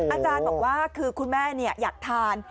อาจารย์บอกว่าคือคุณแจ้ะแม่นิยะอยากทาน